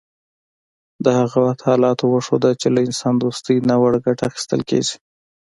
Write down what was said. د هغه وخت حالاتو وښوده چې له انسان دوستۍ ناوړه ګټه اخیستل کیږي